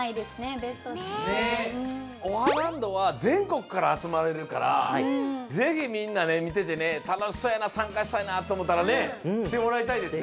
オハランドはぜんこくからあつまれるからぜひみんなねみててねたのしそうやなさんかしたいなとおもったらねきてもらいたいですね。